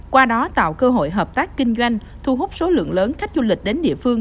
qua đó tạo cơ hội hợp tác kinh doanh thu hút số lượng lớn khách du lịch đến địa phương